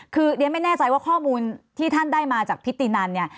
คือเรียนไม่แน่ใจว่าข้อมูลที่ท่านได้มาจากพิธีนันเนี่ย